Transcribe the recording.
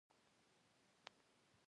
تجربه د تجارت لارې اسانه کوي.